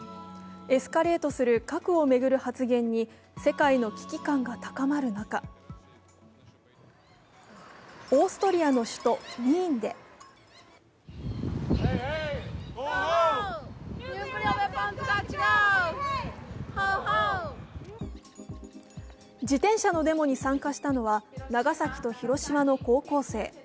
エスカレートする核を巡る発言に世界の危機感が高まる中オーストリアの首都ウィーンで自転車のデモに参加したのは長崎と広島の高校生。